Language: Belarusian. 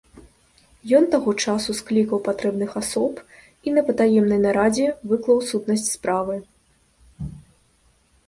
Ён таго часу склікаў патрэбных асоб і на патаемнай нарадзе выклаў сутнасць справы.